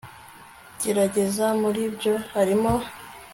gerageza muri byo harimo